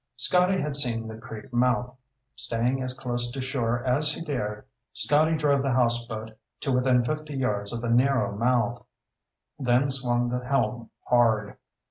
Scotty had seen the creek mouth. Staying as close to shore as he dared, Scotty drove the houseboat to within fifty yards of the narrow mouth, then swung the helm hard.